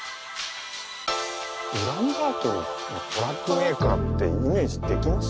ウランバートルのトラックメーカーってイメージできます？